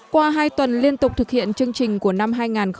qua hai tuần liên tục thực hiện chương trình của năm hai nghìn một mươi chín